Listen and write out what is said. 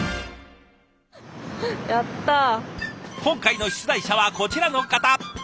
今回の出題者はこちらの方。